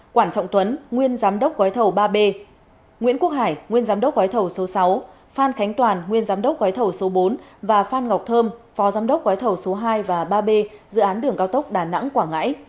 quản trọng tuấn nguyên giám đốc gói thầu ba b nguyễn quốc hải nguyên giám đốc gói thầu số sáu phan khánh toàn nguyên giám đốc gói thầu số bốn và phan ngọc thơm phó giám đốc gói thầu số hai và ba b dự án đường cao tốc đà nẵng quảng ngãi